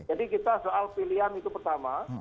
jadi kita soal pilihan itu pertama